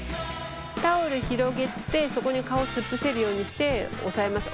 タオル広げてそこに顔突っ伏せるようにして押さえます。